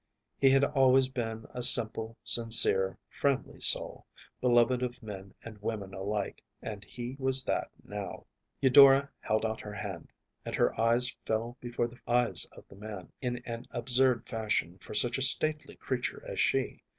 He had always been a simple, sincere, friendly soul, beloved of men and women alike, and he was that now. Eudora held out her hand, and her eyes fell before the eyes of the man, in an absurd fashion for such a stately creature as she.